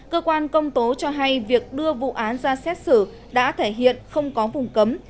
cơ quan công tố cho hay việc đưa vụ án ra xét xử đã thể hiện không có vùng cấm